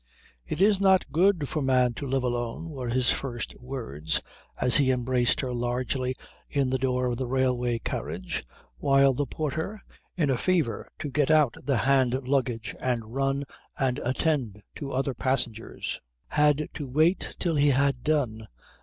"It is not good for man to live alone," were his first words as he embraced her largely in the door of the railway carriage, while the porter, in a fever to get out the hand luggage and run and attend to other passengers, had to wait till he had done.